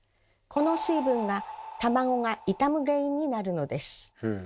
この水分が卵が傷む原因になるのです。